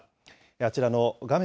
あちらの画面